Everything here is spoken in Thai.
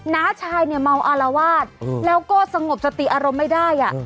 น้าชายเนี่ยเมาอารวาสแล้วก็สงบสติอารมณ์ไม่ได้